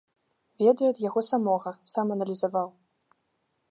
Ведаю ад яго самога, сам аналізаваў.